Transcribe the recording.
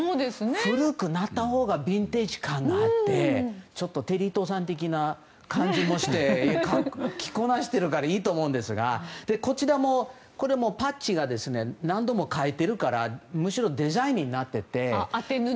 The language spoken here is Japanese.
古くなったほうがビンテージ感があってちょっとテリー伊藤さんみたいな感じもして、着こなしているからいいと思うんですがこちらもパッチが何度も変えているからむしろデザインになっていて。